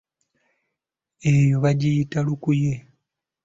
Eyo bagiyita lukunyu.